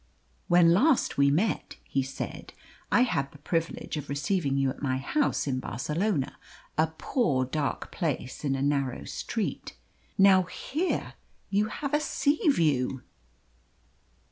"When last we met," he said, "I had the privilege of receiving you at my house in Barcelona a poor dark place in a narrow street. Now here you have a sea view."